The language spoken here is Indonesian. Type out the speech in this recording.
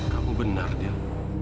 kamu benar dil